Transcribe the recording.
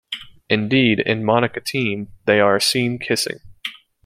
Indeed, in Monica Teen, they are seen kissing.